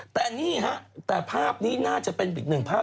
แต่นี่ฮะแต่ภาพนี้น่าจะเป็นอีกหนึ่งภาพ